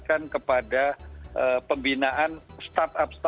kita juga ingin menggunakan perusahaan yang berbeda